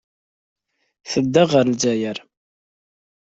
Tedda ɣer Lezzayer.